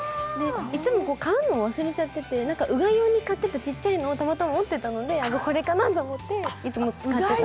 いつも買うのを忘れちゃってて、うがい用に買っていて小さいのをたまたま持ってたので、これかなと思って、いつも使ってた。